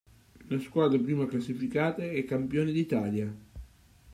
La squadra prima classificata è campione d'Italia.